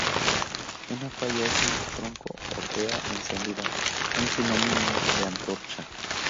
Una falla es un tronco o tea encendida, un sinónimo de antorcha.